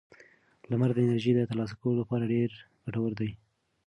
لمر د انرژۍ د ترلاسه کولو لپاره ډېر ګټور دی.